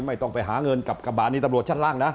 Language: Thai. ไม่ต้องไปหาเงินกับกระบะนี้ตำรวจชั้นล่างนะ